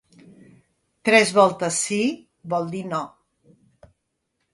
Tres voltes sí, vol dir no.